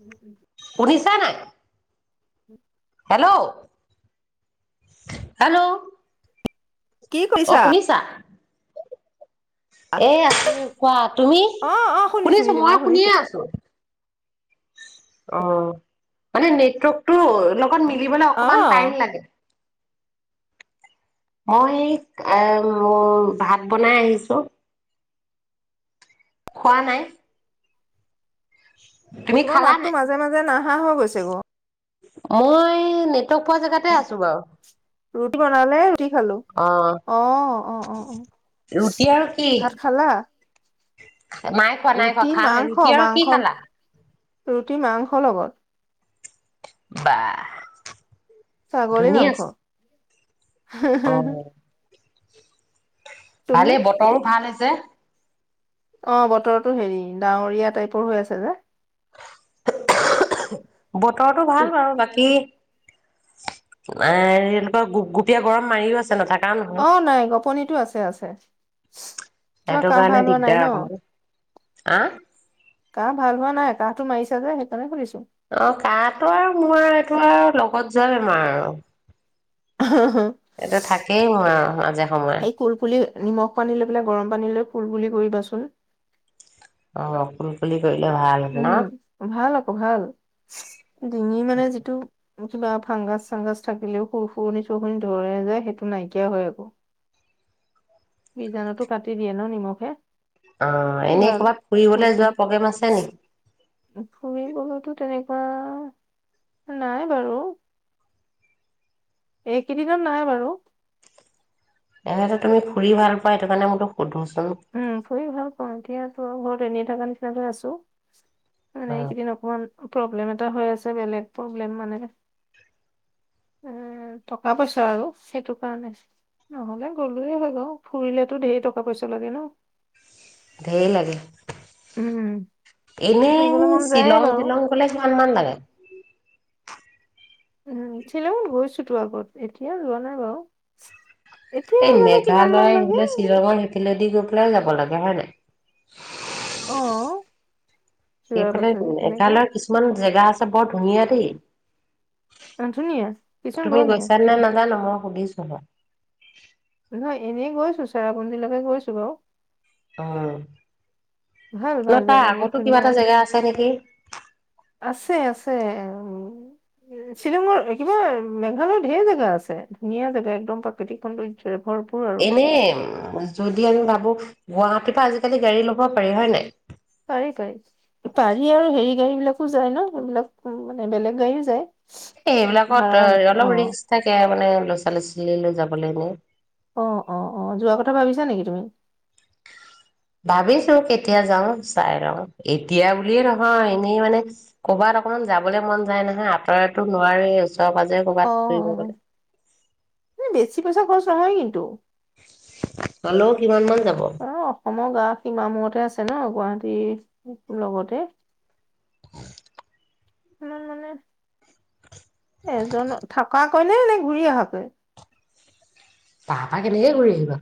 উম উম শুনিছা নাই উম হেল্ল' হেল্ল' কি অ কৰিছা? শুনিছা এ আছো কোৱা তুমি শুনিছো মই শুনিয়ে আছো অ' মানে নেটৱৰ্কটো লগত মিলিবলৈ অ অকমান টাইম লাগে। মই এ ভাত বনাই আহিছো। খোৱা নাই, তুমি তোমাৰ খালা মাতটো নাই? মাজে মাজে নাহা হৈ গৈছেগ, মই নেট ত পোৱা জেগাতে আছো বাৰু। ৰুটি বনালে অ ৰুটি আৰু [unintelligible] খায়, নই খোৱা নাই খোৱা ৰুটি খামহে, মাংস ৰুটি আৰু কি মাংস খালা? ৰুটি মাংসৰ লগত। বা ছাগলী মাংস। হু হু অ ভালেই, বতৰো ভাল হৈছে। অ' বতৰতো হেৰি, ডাৱৰীয়া টাইপৰ হৈ আছে যে। [unintelligible] বতৰটো ভাল বাৰু বাকী এ এনেকুৱা গুপ গুপিয়া গৰম মাৰিও আছে, নথকা নহয় অ' নাই গপনিতো আছে আছে তোমাৰ সেইটো কাহ কাৰণে ভাল হোৱা নাই দিগদাৰ ন, অকমান আহ কাহ ভাল হোৱা নাই? কা'হটো মাৰিছে যে সেইকাৰণে সুধিছো। টো লগত যোৱা বেমাৰ আৰু, [unintelligible] এইটো থাকেই মোৰ আৰু, মাজা এই কুলকুলি নিমখ পানী লৈ পেলাই গৰম পানী লৈ কুলকুলি কৰিবাচোন। অ' কুল কুলি উম, ভাল আকৌ ভাল ডিঙি মানে যিটো কিবা ফাংগাছ চাংগাছ থাকিলেও সুৰসূৰণি চুৰসূৰণি ধৰে যে, সেইটো নাইকিয়া হয় আকৌ বীজাণুতো কাটি দিয়ে ন নিমখে। অ' খুব এনেই ভাল। ক'ৰবাত ফুৰিবলৈ কুলকুলি যোৱা প্ৰগ্ৰেম আছে নেকি? ফুৰিবলৈতো তেনেকুৱা নাই বাৰু। এইকেইদিনত নাই বাৰু। এনেতে তুমি ফুৰি ভাল পোৱা। সেইটো কাৰণে মইতো সোধোছোন। উম ফুৰি ভাল পাওঁ এতিয়া ত ঘৰত এনেই হেই কাৰণে তেনেকে আছো মানে উম একেইদিন অকমান প্ৰব্লেম এটা হৈ আছে বেলেগ প্ৰব্লেম মানে এ টকা পইচা আৰু সেইটো কাৰণে নহলে গলোয়ে হৈ গ ফুৰিলেতো ধেৰ টকা পইচা লাগে ন ধেই লাগে উম। এনেই ফুৰিবলৈ মন যায়ে শ্বিলং বাৰু টিলং গলে কিমান মান লাগে উম শ্বিলং গৈছো তো আগত এতিয়া যোৱা নাই বাৰু এতিয়া এই জানো কিমান মান মেঘালয় লাগে আহিলে শ্বিলঙত সেইফালেদি গৈ যাব লাগে হয় নাই [unintelligible] অহ সেইফালে মেঘালয়ৰ কিছুমান জেগা আছে বৰ ধুনীয়া দেই অ', ধুনীয়া কিছুমান বৰ তুমি ধুনীয়া গৈছা নে নাজানো মোক সগিছাবা [inaudible] নহয় এনেই গৈছো চেৰাপুঞ্জীলকে গৈছো বাৰু অ ভাল ভাল জেগা বহুত ধুনীয়া জেগা আছে নেকি? আছে আছে উ শ্বিলঙৰ কিবা মেঘালয়ৰ ঢেৰ জেগা আছে ধুনীয়া জেগা একদম প্ৰাকৃতিক সৌন্দৰ্য্যৰে এনে যদি আমি ভাবো গুৱাহাটীৰ পৰা আজিকালি গাড়ী ল'ব পাৰি হয় নাই পাৰি পাৰি পাৰি আৰু হেৰি গাড়ী বিলাকো যায় ন সেইবিলাক মানে বেলেগ গাড়ীও যায় এ সেইবিলাকত ভাড়া অলপ অ ৰিক্ক থাকে মানে ল'ৰা ছোৱালী ছোৱালী লৈ যাবলৈ এনে অ অ অ যোৱা কথা ভাবিছা নেকি তুমি ভাবিছো কেতিয়া যাও চাই লওঁ এতিয়া বুলিয়ে নহয় এনেই মানে কৰ'বাত অকনমান যাবলৈ মন যায় নহয় আঁতৰাতো নোৱাৰি অ বেছি পইচা খৰচ নহয় কিন্তু হ'লেও কিমান মান যাব? অ অসমৰ গা সীমা মূৰতে আছে ন গুৱাহাটীৰ লগতে ম মানে [inaudible] এজন থকা কৈ এনেই ঘূৰি আহাকৈ পাপা কেনেকে কৰি আহিবা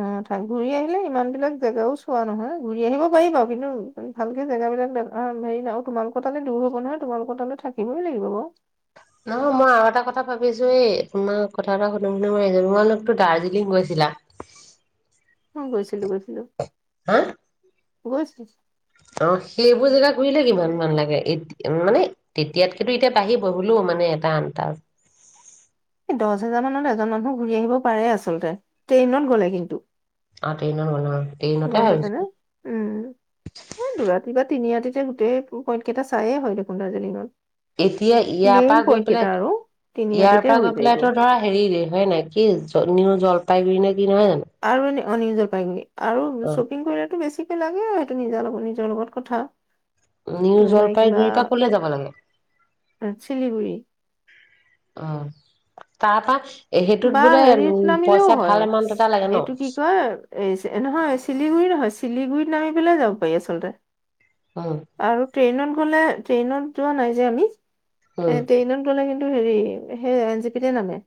অ ঘূৰি আহিলে ইমান বিলাক জেগাও চোৱা নহয় ঘূৰি আহিব পাৰি বাৰু কিন্তু ভালকে জেগাব বিলাক হেৰি নাই তোমালোকৰ তালৈ দূৰ হব নহয় তোমালোকৰ তালৈ থাকিবই লাগিব বাৰু নহয় মই আৰু এটা কথা ভাবিছো এই তোমাক কথা এটা সুধোম কি মই [unintelligible] লোকতো দাৰ্জিলিং গৈছিলা গৈছিলো গৈছিলো হা [unintelligible] অ সেইবোৰ জেগা ঘুৰিলে কিমান মান লাগে মানে তেতিয়াতকেতো এতিয়া বাঢ়িবহিলো মানে এটা আনটা দহ হোজাৰ মানত এজন মানুহ ঘূৰি আহিব পাৰে আচলতে ট্ৰেইনত গলে কিন্তু [unintelligible] গম পাইছা ভাবিছো নে উম দু ৰাতি বা তিনি ৰাতি গোটেই পইণ্ট কেইটা চায়ে হয় দেখোন দাৰ্জিলিঙত এতিয়া ইয়াৰ পৰা মেইন গৈ পইণ্ট কেইটা পেলাই আৰু ইয়াৰ তিনিৰাতিতে পৰা হৈ গৈ যায়গৈ। পেলাইটো ধৰা হেৰি হয় নাই কি জ নিউ জল [unintelligible] বিনয় জানো [unintelligible] আৰু অ শ্বপিং কৰিলেতো বেছি লাগে আৰু সেইটো নিজাৰ লগত নিজৰ লগত কথা নিউ কোনোবাই কিবা জলপাইগুৰিটা কলে যাব লাগে চিলিগুৰি অ তাৰ পৰা সেইটোত বা বোলে উ হেৰিত নামিলেও পইচা হয় ভাল এমাউন্ট এটা লাগে ন এইটো কি কয় এই নহয় চিলিগুৰি নহয় চিলিগুৰিত নামি পেলাই যাব উম [unintelligible] আৰু ট্ৰেইনত লে ট্ৰেইনত যোৱা নাই যে আমি উম [unintelligible] টো হেৰি সেই এন জি পিতে নামে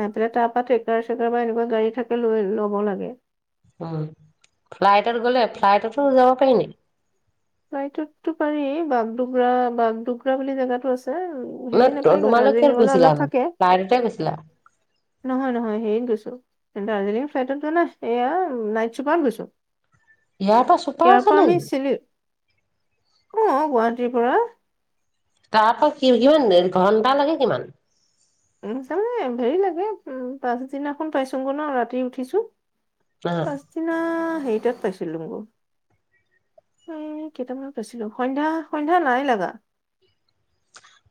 নাই পেলাই তাৰ পৰা ক্ৰেকাৰ চেকাৰ বা এনেকুৱা গাড়ী থাকে লৈ ল'ব লাগে উ ফ্লাইটত গলে ফ্লাইটতো যাব পাৰি নাই নাইটতো পাৰি বামডগৰা বামডগৰা বুলি জেগাতো আছে নে হেৰি নাপায় তোমালোক কিহত দাৰ্জিলিং গৈছিলা অলপ নো? থাকে ফ্লাইটতে গৈছিলা? নহয় নহয় হেৰি গৈছো দাৰ্জিলিং ফ্লাইটত যোৱা না এইয়া নাইট চুপাৰত গৈছো ইয়াৰ পৰা চোপা আছে নে অহ গুৱাহাটীৰ পৰা তাৰপা কি কিমান ঘন্টা লাগে কিমান উ তাৰমানে হেৰি লাগে উম পাছদিনাখন পাইছো গ' ন ৰাতি উঠিছো নহয় পাচদিনা সেইটাত পাইছিলুগু এ কেইটামানত আছিলো সন্ধ্যা সন্ধ্যা নাই লগা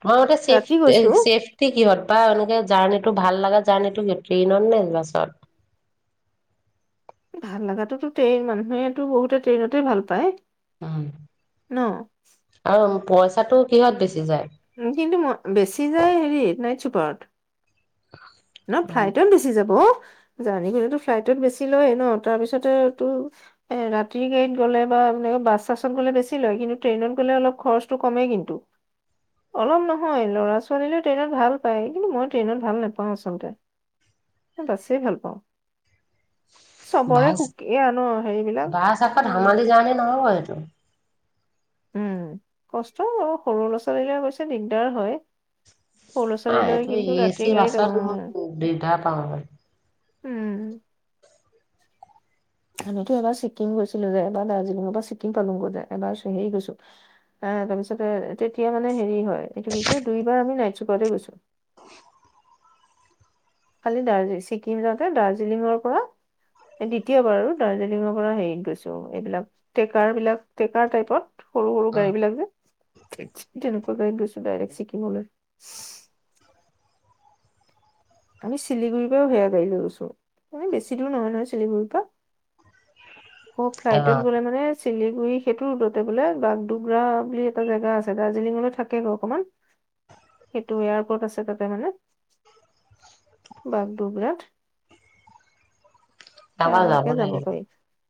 তোৰ মতে চেফ চছেফটি কিহত বা এনেকে জাৰ্ণি টো ভাল লগা জাৰ্ণো ট্ৰেইনত নে বাছত ভাল লগাটো ট্ৰেইন মানুহেতটো বহুতে ট্ৰেইনতে ভাল পায় উম ন আৰু পইচাটো কিহত বেছি যায় উম, কিন্তু মই বেছি যায় হেৰিত, নাইত চুপাৰত। ন', উম ফ্লাইটত বেছি যাব অ'। জাৰ্নি গলেতো ফ্লাইটত বেছি লয়েই ন', তাৰপিছতে টো এ ৰাতিৰ গাড়ীত গ'লে বা ম তেনেকে বাছ- চাছত গ'লে বেছি লয়, কিন্তু ট্ৰেইনত গ'লে অলপ খৰচটো কমেই কিন্তু, অলপ নহয়, ল'ৰা-ছোৱালীলৈ ট্ৰেইনত ভাল পায়, কিন্তু মই ট্ৰেইনত ভাল নাপাওঁ। পাওঁ আচলতে, [unintelligible] বাছেই ভাল পাওঁ। চবৰে বাছ, সুকীয়া ন হেৰিবিলাক বাছ আকৌ উম ধেমালি জাৰ্ণি নহ'ব সেইটো। [unintelligible] উম, কষ্ট আৰু সৰু ল'ৰা-ছোৱালীলৈ অৱশ্যে দিগদাৰ হয়। সৰু ল'ৰা ছোৱালী আহ লৈ এইটো কিন্তু এ ৰাতি চি গাড়ীত বাছত অ', মই দিগদাৰ পাওঁ। উম। আমিতো এবাৰ ছিকিম গৈছিলোঁ যে, এবাৰ দাৰ্জিলিঙৰ পৰা ছিকিম পালোগৈ যে, এবাৰ হেৰি গৈছোঁ। এ তাৰ পিছতে, তেতিয়া মানে হেৰি হয়। এইটো কি কয় দুইবাৰ আমি নাইট চুপাৰতে গৈছোঁ। খালি দাৰ্জি ছিকিম যাওঁতে, দাৰ্জিলিঙৰ পৰা, দ্বিতীয়বাৰ আৰু দাৰ্জিলিঙৰ পৰা হেৰিত গৈছোঁ, এইবিলাক, ট্ৰেকাৰ বিলাক, ট্ৰেকাৰ টাইপত। সৰু সৰু উম, গাড়ী বিলাক যে। যেনেকুৱা গাড়ীত গৈছোঁ ডাইৰেক্ট চিকিমলৈ। আমি চিলিগুৰিৰ পৰাও সেয়া গাড়ী লৈ গৈছোঁ, মানে বেছি দূৰ নহয়- নহয় শিলিগুৰিৰ পৰা। অ', অ ফ্লাইটত গ'লে মানে চিলিগুৰি সেইটো ৰোডতে বোলে, বাগদোগ্ৰা বুলি এটা জেগা আছে দাৰ্জিলিঙলৈ থাকে বাৰু অকমান। সেইটো এয়াৰপৰ্ট আছে তাতে মানে। বাগদগ্ৰাত। তাৰপৰা যাব লাগিব।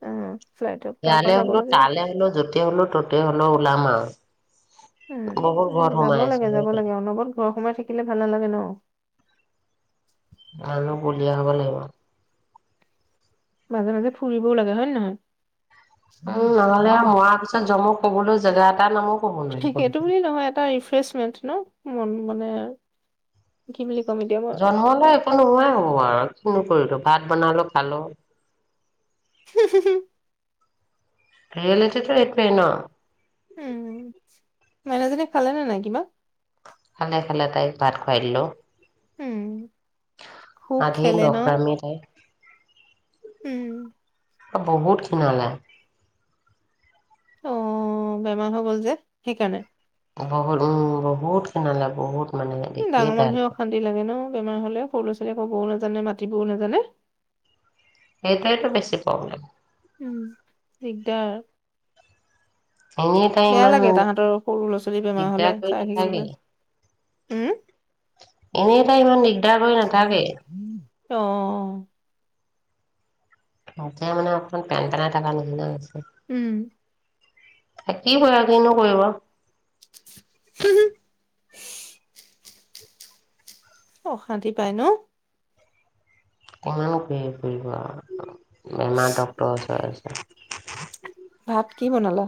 উম ফ্লাইটত তাৰ পৰা ইয়ালৈ যাব হ'লো, লাগে তালৈ হ'লো, যতে হ'লো, ততে হ'লেও ওলাম আৰু। উম, যাব আছো লাগে, যাব সেইটোৱে। লাগে, অনবৰবত ঘৰ সোমায়। থাকিলে ভাল নালাগে ন'। আৰু বলিয়া হব লাগিব। মাজে মাজে ফুৰিবও লাগে হয় নে নহয়? উম, নহ'লে মৰা পিছত যমক। ক'বলৈ জেগাত এইটো বুলি নহয়, এটা ৰিফ্ৰেচমেন্ট ন'? মন- মানে কি বুলি। ক'ম এতিয়া মই জন্মলৈ একো নোহোৱাই হ'ব আৰু। কিনো কৰিলো? ভাত বনালো। খালোঁ। হোম হোমহ এই ৰিলেটেটৰ এইটোৱে ন'? উম, মাইনাজনী খালে নে নাই কিবা? খালে, খালে তাইক ভাত খুৱাই দিলোঁ। উম খুব আধি খেলে ন নকৰামি তাইৰ। উম। অ' বহুত খিনালা। অ', বেমাৰ হৈ গ'ল যে, সেইকাৰণে। বহুত, উম, বহুত খিনালা বহুত। মানে দেখিয়ে ডাঙৰ বেয়া মানুহৰে লাগে অশান্তি লাগে ন? বেমাৰ হ'লে সৰু ল'ৰা ছোৱালীয়ে ক'বও নাজানে মাতিবও নাজানে। এইটোৱেইটো বেছি প্ৰব্লেম। উম, দিগদাৰ। এনেই তাই বেয়া ইমান লাগে তাহাঁতৰ, সৰু ল'ৰা ছোৱালীৰ বেমাৰ হ'লে দিগদাৰ কৰি চাই নাথাকে থাকিবলৈ, উম, এনেই তাই ইমান দিগদাৰ কৰি নাথাকে অ'। মাজে মানে অকমান পেনপেনাই থকা নিচিনা হৈছে। উম। এ কি কৰিবা, কিনো কৰিব। হু হু। অশান্তি পাই ন? কিমান কৰি ফুৰিব আৰু। বেমাৰ, ডক্টৰ ওচৰত আছে। [inaudible] ভাত কি বনালা?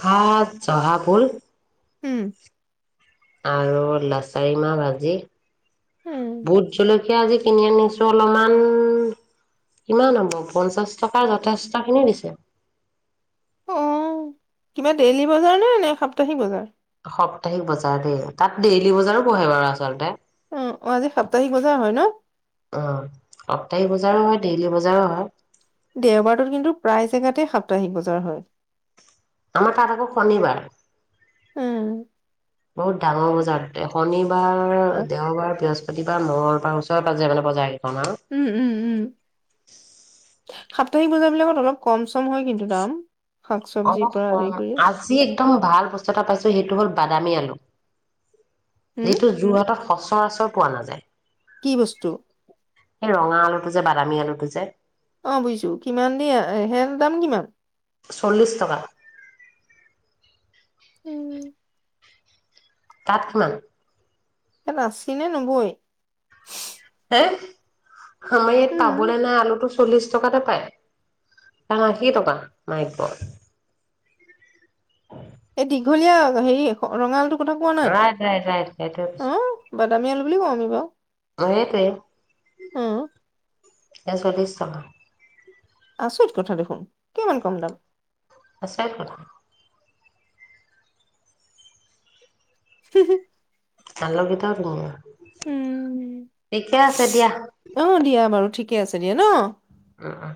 ভাত জহাভুল উম। আৰু লাচাৰী মাহ ভাজি। উম, ভূতজলক য়া আজি কিনি আনিছো অলপমান, কিমান হ'ব, পঞ্চাশ টকাৰ যথেষ্টখিনি দিছে। অ', কিবা ডেইলি বজাৰ নে, নে সাপ্তাহিক বজাৰ? সপ্তাহিক বজাৰ দেই, তাত ডেইলি বজাৰো বহে বাৰু আচলতে। অ' অ', আজি সাপ্তাহিক বজাৰ হয় ন? অ', সপ্তাহিক বজাৰো হয়, ডেইলি বজাৰো হয়। দেওবাৰটোত কিন্তু প্ৰায় জেগাতে সাপ্তাহিক বজাৰ হয়। আমাৰ তাত আকৌ শনিবাৰ। উম, বহুত ডাঙৰ বজাৰ, দে-শনিবাৰ, দেওবাৰ, বৃহস্ বাৰ, মঙ্গলবাৰ, ওচৰে পাজৰে মানে বজাৰ কেইখন আৰু। উম উম উম। সাপ্তাহিক বজাৰ বিলাকত অলপ কম চম হয় কিন্তু দাম। শাক চবজিৰ পৰা আদি কৰি [unintelligible] আজি একদম ভাল বস্তু এটা পাইছো সেইটো হ'ল বাদামী আলু। হম যিটো যোৰহাটত সচ সচৰাচৰ পোৱা নাযায়। কি বস্তু? এই ৰঙা আলুটো যে, বাদামী আলুটো যে। অ' বুজিছো, কিমান দি আ-হে এইটো দাম কিমান? চল্লিছ টকা। উম। তাঠা ইয়াত আশী নে নবৈ হ মই উম তাবোল ন আলো তো চল্লিশ টকাতে পায় আশী টকা মাই এই দীঘলীয়া হেৰি ৰঙালটো কথা কোৱা নাই ৰাইট ৰাইট ৰাইট সেইটোৱে কৈছো। অ বাদামী আলু বুলি কওঁ আমি বাৰু অ', অ ইছ চাগা [unintelligible] [inaudible] আচৰিত কথা দেখোন কিমান কম দাম আচৰিত কথা হু হু আলকিত ক উম ঠিকে আছে দিয়া অ দিয়া বাৰু ঠিকে আছে দিয়ে ন উম উম